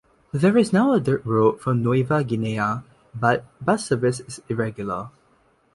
There is now a dirt road from Nueva Guinea, but bus service is irregular.